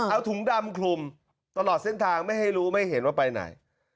เอาถุงดำคลุมตลอดเส้นทางไม่ให้รู้ไม่เห็นว่าไปไหน